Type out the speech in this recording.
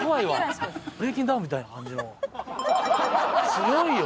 強いよ。